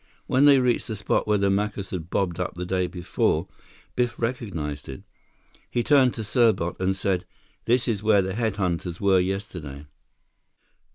When they reached the spot where the Macus had bobbed up the day before, Biff recognized it. He turned to Serbot and said, "This is where the head hunters were yesterday."